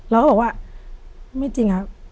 แล้วก็บอกว่าไม่จริงอะ